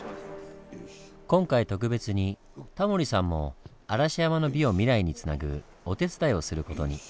今回特別にタモリさんも嵐山の美を未来につなぐお手伝いをする事に。